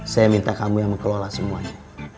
saya minta kamu yang mengelola semuanya